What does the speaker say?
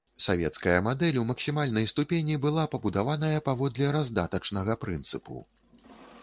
Савецкая мадэль у максімальнай ступені была пабудаваная паводле раздатачнага прынцыпу.